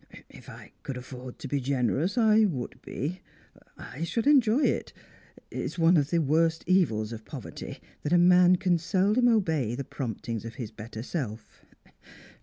"If I could afford to be generous, I would be; I should enjoy it. It's one of the worst evils of poverty, that a man can seldom obey the promptings of his better self.